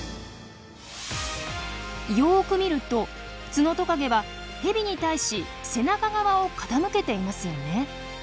よく見るとツノトカゲはヘビに対し背中側を傾けていますよね。